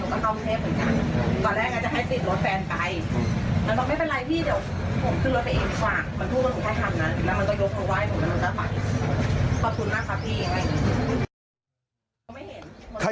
ผมก็จะไปขอบคุณมากครับพี่ยังไง